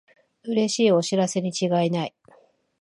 うれしいお知らせにちがいない